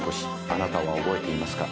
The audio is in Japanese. あなたは覚えていますか？